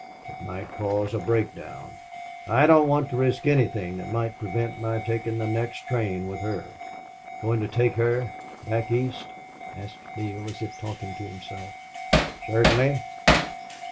It might cause a breakdown. I don't want to risk anything that might prevent my taking the next train with her." "Going to take her back East?" asked Neale, as if talking to himself. "Certainly."